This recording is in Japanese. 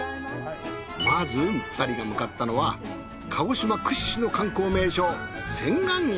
まず２人が向かったのは鹿児島屈指の観光名所仙巌園。